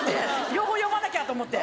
両方読まなきゃと思って！